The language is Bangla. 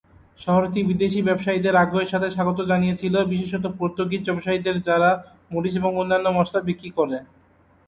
শহরটি বিদেশী ব্যবসায়ীদের আগ্রহের সাথে স্বাগত জানিয়েছিল, বিশেষত পর্তুগিজ ব্যবসায়ীদের যারা মরিচ এবং অন্যান্য মশলা বিক্রি করে।